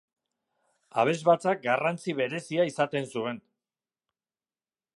Abesbatzak garrantzi berezia izaten zuen.